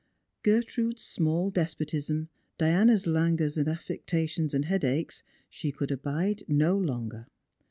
Gertrude's small despotism, Diana's languors and aflectations and headaches, she could abide no longer.